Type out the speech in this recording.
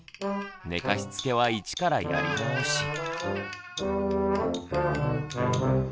寝かしつけは一からやり直し。